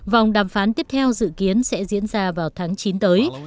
vòng đàm phán tiếp theo dự kiến sẽ diễn ra vào tháng chín tới